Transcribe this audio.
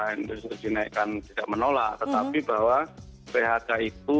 industri dinaikkan tidak menolak tetapi bahwa phk itu